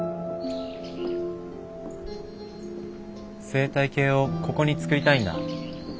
生態系をここに作りたいんだ。